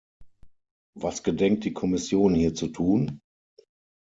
Was gedenkt die Kommission hier zu tun?